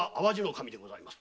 守でございます。